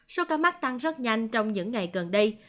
số ca mắc tăng rất nhanh trong những ngày gần đây